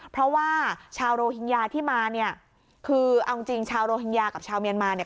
เพราะว่าชาวโรฮิงญาที่มาเนี่ยคือเอาจริงชาวโรฮิงญากับชาวเมียนมาเนี่ย